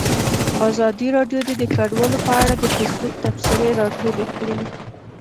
ازادي راډیو د کډوال په اړه د فیسبوک تبصرې راټولې کړي.